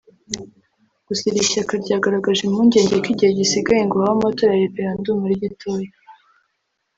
Gusa iri shyaka ryagaragaje impungenge ko igihe gisigaye ngo habe amatora ya referendumu ari gitoya